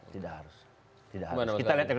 tidak harus kita lihat